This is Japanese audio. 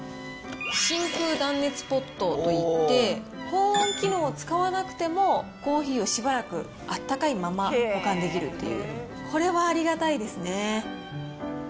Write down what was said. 真空断熱ポットといって、保温機能を使わなくてもコーヒーをしばらくあったかいまま保管できるという、これはありがたいですね。